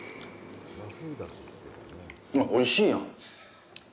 あっ、おいしいやん。